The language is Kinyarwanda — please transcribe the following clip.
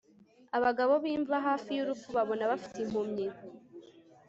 Abagabo bimva hafi yurupfu babona bafite impumyi